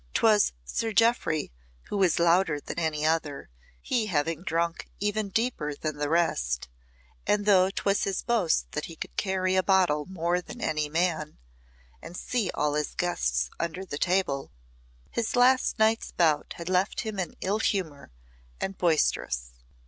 'Twas Sir Jeoffry who was louder than any other, he having drunk even deeper than the rest, and though 'twas his boast that he could carry a bottle more than any man, and see all his guests under the table, his last night's bout had left him in ill humour and boisterous.